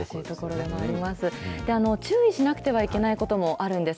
でも、注意しなくてはいけないこともあるんです。